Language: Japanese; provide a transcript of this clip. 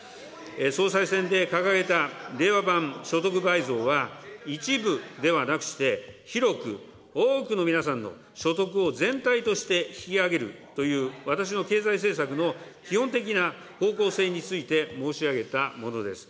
総裁選で掲げた令和版所得倍増は、一部ではなくして、広く、多くの皆さんの所得を全体として引き上げるという私の経済政策の基本的な方向性について申し上げたものです。